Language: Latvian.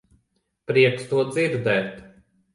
Prieks to dzirdēt.